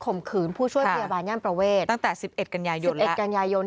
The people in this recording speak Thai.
มขืนผู้ช่วยพยาบาลย่านประเวทตั้งแต่๑๑กันยายน๑๑กันยายน